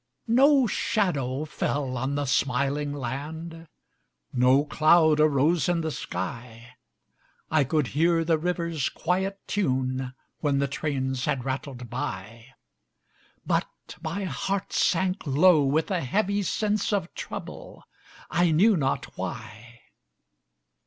No shadow fell on the smiling land, No cloud arose in the sky; I could hear the river's quiet tune When the trains had rattled by; But my heart sank low with a heavy sense Of trouble, I knew not why.